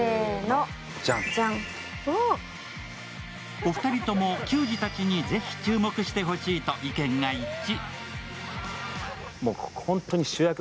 お二人とも球児たちにぜひ注目してほしいと意見が一致。